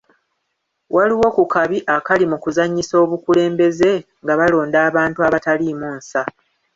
Waliwo ku kabi akali mu kuzannyisa obukulembeze nga balonda abantu abataliimu nsa.